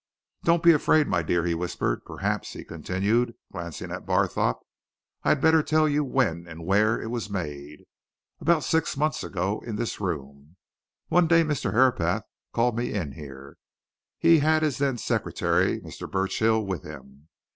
"Don't be afraid, my dear," he whispered. "Perhaps," he continued, glancing at Barthorpe, "I had better tell you when and where it was made. About six months ago in this room. One day Mr. Herapath called me in here. He had his then secretary, Mr. Burchill, with him.